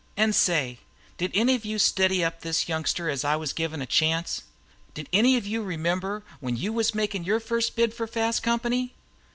An' say, did any of you steady up this youngster as I was givin' a chance? Did any of you remember when you was makin' your first bid for fast company?